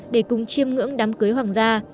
để cùng chiêm ngưỡng đám cưới hoàng gia